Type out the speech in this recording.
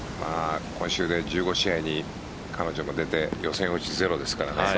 今週で１５試合に彼女も出て予選落ちゼロですからね。